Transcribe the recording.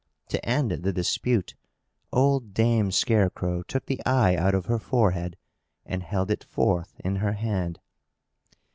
To end the dispute, old Dame Scarecrow took the eye out of her forehead, and held it forth in her hand.